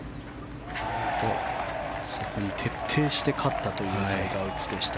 そこに徹底して勝ったというタイガー・ウッズでした。